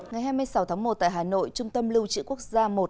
ngày hai mươi sáu tháng một tại hà nội trung tâm lưu trị quốc gia i